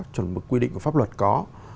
chuẩn mực quy định của pháp luật có